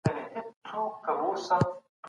که ماشوم پوښتنې ته وهڅول سي، چوپتیا نه حاکمه کېږي.